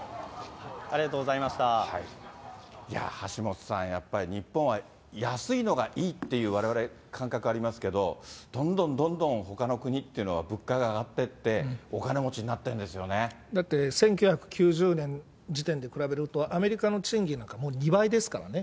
いやー、橋下さん、やっぱり日本は安いのがいいっていう、われわれ、感覚ありますけど、どんどんどんどんほかの国っていうのは物価が上がっていって、おだって、１９９０年時点で比べると、アメリカの賃金なんかもう２倍ですからね。